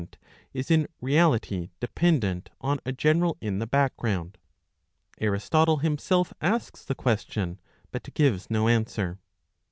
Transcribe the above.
IX is in reality dependent on a general in the background ? Aristotle himself asks ^ the question, but gives no answer.